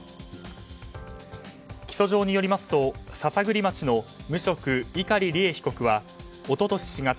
起訴状によりますと篠栗町の無職、碇利恵被告は一昨年４月